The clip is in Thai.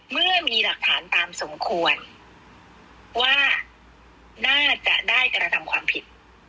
เมื่อมีหลักฐานตามสมควรว่าน่าจะได้กระทำความผิด